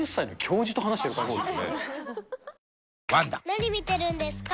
・何見てるんですか？